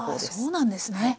そうなんですね。